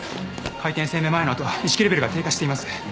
回転性めまいの後意識レベルが低下しています。